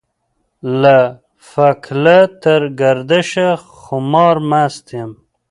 له فکله تر ګردشه خمار مست يم.